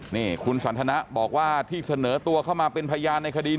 นี่คุณสันทนะบอกว่าที่เสนอตัวเข้ามาเป็นพยานในคดี